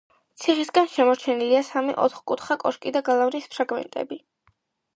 ციხისაგან შემორჩენილია სამი ოთხკუთხა კოშკი და გალავნის ფრაგმენტები.